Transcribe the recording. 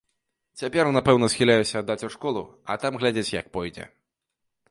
Цяпер напэўна схіляюся аддаць у школу, а там глядзець, як пойдзе.